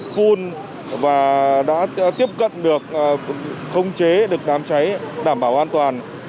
phun và đã tiếp cận được không chế được đám cháy đảm bảo an toàn